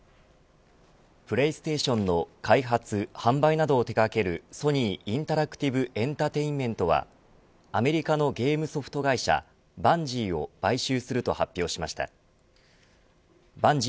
プレイステーションの開発、販売などを手掛けるソニー・インタラクティブエンタテインメントはアメリカのゲームソフト会社バンジーを買収すると発表しました。